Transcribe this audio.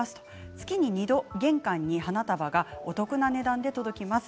月に２度、玄関に花束がお得な値段で届きます。